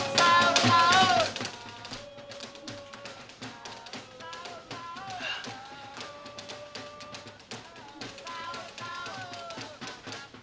jangan lupa bangun sahur